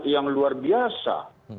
yang luar biasa